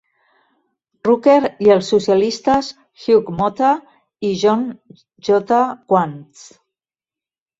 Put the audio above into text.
Rucker i els socialistes Hugh Motter i John J. Quantz.